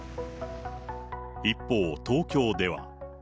一方、東京では。